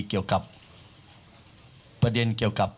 เกี่ยวกับประเด็นเกี่ยวกับ